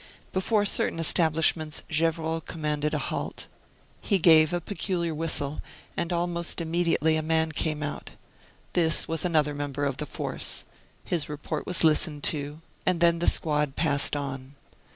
Before certain establishments Gevrol commanded a halt. He gave a peculiar whistle, and almost immediately a man came out. This was another member of the force. His report was listened to, and then the squad passed on.